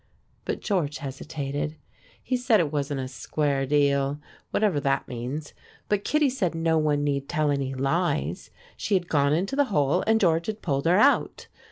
But George hesitated. He said it wasn't "a square deal," whatever that means, but Kittie said no one need tell any lies. She had gone into the hole and George had pulled her out.